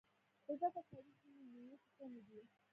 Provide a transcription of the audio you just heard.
د دغه سړي ځینې نیوکې سمې دي.